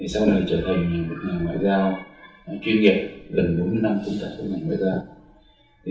sau này trở thành một ngành ngoại giao chuyên nghiệp gần bốn mươi năm cũng tại ngành ngoại giao